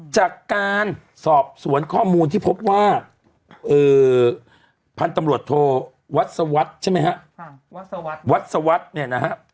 จากการสอบสวนข้อมูลที่พบว่าพันธ์ตำรวจโทรวัสดิ์สวัสดิ์